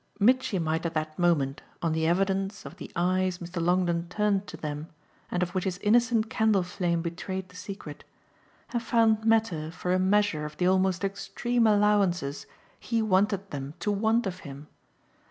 Mitchy might at that moment, on the evidence of the eyes Mr. Longdon turned to them and of which his innocent candle flame betrayed the secret, have found matter for a measure of the almost extreme allowances he wanted them to want of him.